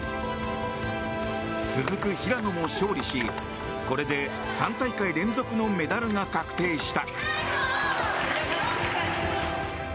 続く平野も勝利しこれで３大会連続のメダルが確定した。